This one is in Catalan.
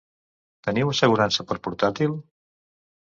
Teniu assegurança per portàtil?